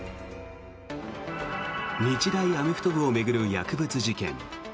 日大アメフト部を巡る薬物事件。